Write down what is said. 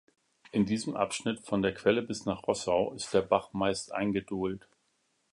In diesem Abschnitt, von der Quelle bis nach Rossau, ist der Bach meist eingedolt.